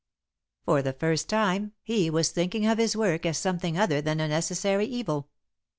For the first time he was thinking of his work as something other than a necessary evil.